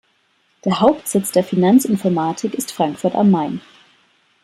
Der Hauptsitz der Finanz Informatik ist Frankfurt am Main.